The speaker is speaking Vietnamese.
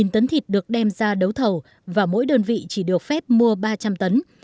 một mươi tấn thịt được đem ra đấu thầu và mỗi đơn vị chỉ được phép mua ba trăm linh tấn